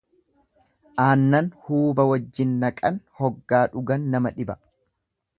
Aannan huuba wajjin naqan hoggaa dhugan nama dhiba.